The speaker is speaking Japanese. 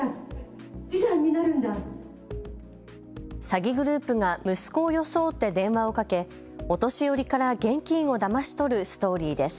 詐欺グループが息子を装って電話をかけ、お年寄りから現金をだまし取るストーリーです。